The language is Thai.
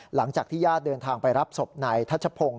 หลังจากที่ญาติเดินทางไปรับศพนายทัชพงศ์